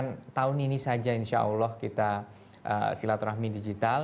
ini kan tahun ini saja insya allah kita sholat rahmi digital